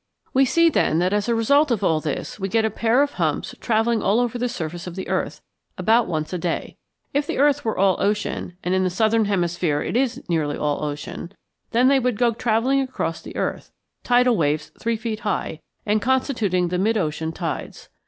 We see, then, that as a result of all this we get a pair of humps travelling all over the surface of the earth, about once a day. If the earth were all ocean (and in the southern hemisphere it is nearly all ocean), then they would go travelling across the earth, tidal waves three feet high, and constituting the mid ocean tides.